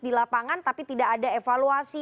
di lapangan tapi tidak ada evaluasi